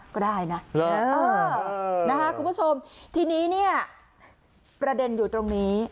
ก็ได้นะเออนะคะคุณผู้ชมทีนี้เนี่ยประเด็นอยู่ตรงนี้